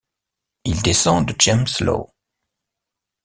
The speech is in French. Il descend de James Law.